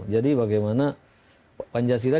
jadi bagaimana pancasila